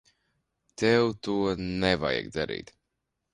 Tev to nevajag darīt.